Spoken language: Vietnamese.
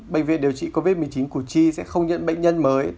bệnh viện điều trị covid một mươi chín củ chi sẽ không nhận bệnh nhân mới